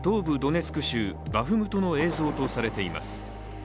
東部ドネツク州バフムトの映像とされています